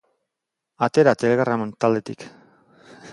Atera Telegram taldetik.